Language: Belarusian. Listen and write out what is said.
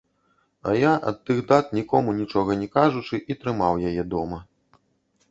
А я, ад тых дат, нікому нічога не кажучы, і трымаў яе дома.